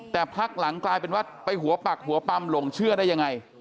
แต่พักหลังกลายเป็นว่าไปหัวปักหัวปั๊มหลงเชื่อได้ยังไง